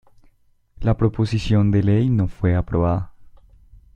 La proposición de ley no fue aprobada.